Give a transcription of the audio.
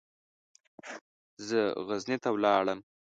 زه غزني ته ولاړم.